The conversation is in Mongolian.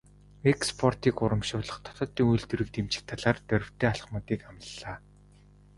Экспортыг урамшуулах, дотоодын үйлдвэрлэлийг дэмжих талаар дорвитой алхмуудыг амлалаа.